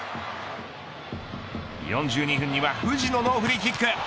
４２分には藤野のフリーキック。